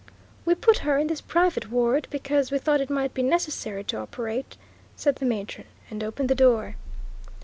"We put her in this private ward, because we thought it might be necessary to operate," said the matron and opened the door.